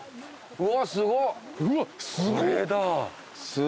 うわっすごっ。